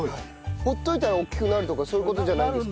放っといたら大きくなるとかそういう事じゃないんですか？